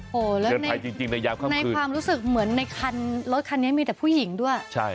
โอ้โหแล้วในความรู้สึกเหมือนในคันรถคันนี้มีแต่ผู้หญิงด้วย